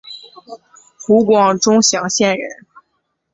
湖广钟祥县人。